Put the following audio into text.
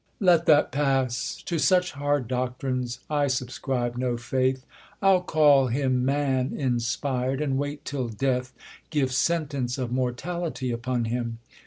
Let that pass. To such hard doctrines I subscribe no faith : I'll call him man inspir'd, and wait till death Gives sentence of mortality upon him.